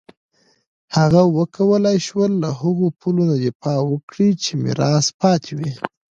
هغه وکولای شول له هغو پولو نه دفاع وکړي چې میراث پاتې وې.